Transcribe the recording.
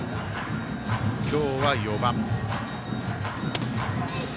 今日は４番。